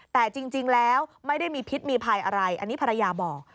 แต่จริงแล้วไม่ได้มีพิษมีภัยอะไรอันนี้ภรรยาบอก